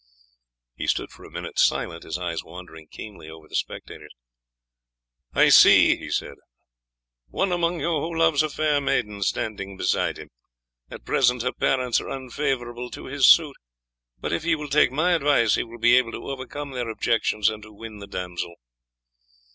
He stood for a minute silent, his eyes wandering keenly over the spectators. "I see," he said, "one among you who loves a fair maiden standing beside him. At present her parents are unfavourable to his suit, but if he will take my advice he will be able to overcome their objections and to win the damsel.